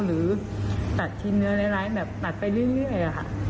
หรือตัดชิ้นเนื้อร้ายแบบตัดไปเรื่อยค่ะ